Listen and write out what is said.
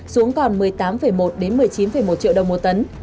xuống còn một mươi tám một đến một mươi chín một triệu đồng một tấn